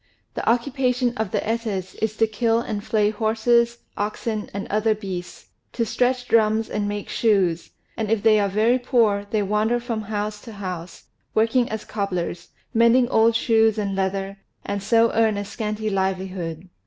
The occupation of the Etas is to kill and flay horses, oxen, and other beasts, to stretch drums and make shoes; and if they are very poor, they wander from house to house, working as cobblers, mending old shoes and leather, and so earn a scanty livelihood.